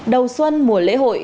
đầu xuân mùa lễ hội